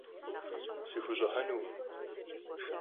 Sxuş'ıhenukhım.